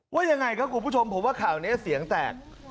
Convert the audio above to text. ว่ายังไงครับคุณผู้ชมผมว่าข่าวนี้เสียงแตก